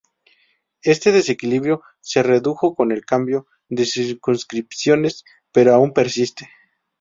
Este desequilibrio se redujo con el cambio de circunscripciones, pero aún persiste.